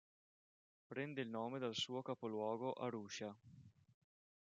Prende il nome dal suo capoluogo Arusha.